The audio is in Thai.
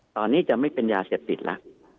ตอนนี้จะไม่เป็นยาเสพติดแล้ว